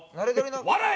笑え！